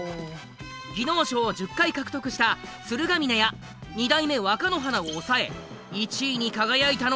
技能賞を１０回獲得した鶴ヶ嶺や２代目若乃花を抑え１位に輝いたのは。